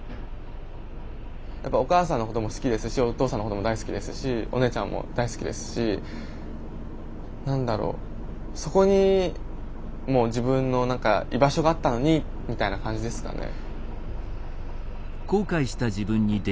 やっぱお母さんのことも好きですしお父さんのことも大好きですしお姉ちゃんも大好きですし何だろうそこに自分の居場所があったのにみたいな感じですかね。